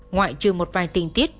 ngoại trừ một vài tình tiết